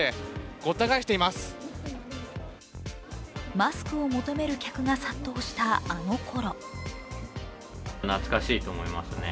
マスクを求める客が殺到したあの頃。